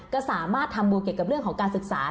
ก็สามารถทำบุญเกี่ยวกับเรื่องของการศึกษา